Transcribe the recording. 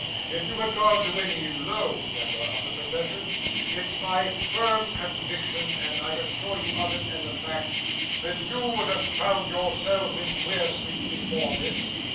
If you had gone to any low member of the profession, it's my firm conviction, and I assure you of it as a fact, that you would have found yourselves in Queer Street before this.